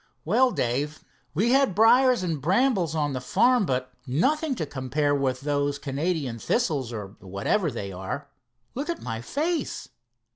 "Well, Dave, we had briers and brambles on the farm, but nothing to compare with those Canadian thistles, or whatever they were. Look at my face."